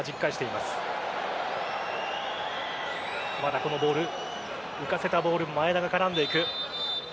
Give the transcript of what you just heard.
まだこのボール浮かせたボール前田が絡んでいく。